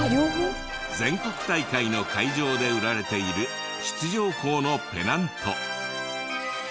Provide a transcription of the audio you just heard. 全国大会の会場で売られている出場校のペナント。